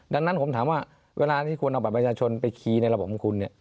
ดังนั้นผมถามว่าเวลาที่คุณเอาบัตรประชาชนไปคีย์ในระบบของคุณเนี่ย